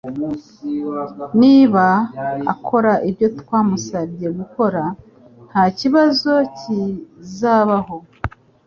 Niba akora ibyo twamusabye gukora, ntakibazo kizabaho.